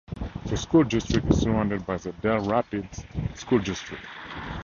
The school district is surrounded by the Dell Rapids School District.